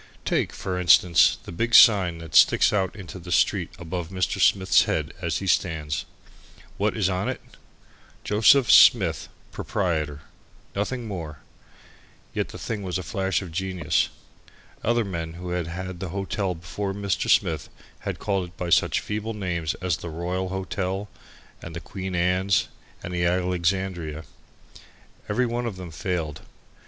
Take, for instance, the big sign that sticks out into the street above Mr. Smith's head as he stands. What is on it? "JOS. SMITH, PROP." Nothing more, and yet the thing was a flash of genius. Other men who had had the hotel before Mr. Smith had called it by such feeble names as the Royal Hotel and the Queen's and the Alexandria. Every one of them failed.